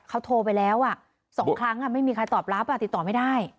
เขาโทรไปแล้วอ่ะสองครั้งอ่ะไม่มีใครตอบรับอ่ะติดต่อไม่ได้